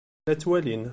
La ttwalin.